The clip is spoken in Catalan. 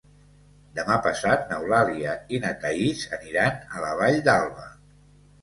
Demà passat n'Eulàlia i na Thaís aniran a la Vall d'Alba.